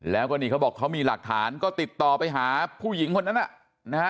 แล้วก็นี่เขาบอกเขามีหลักฐานก็ติดต่อไปหาผู้หญิงคนนั้นนะฮะ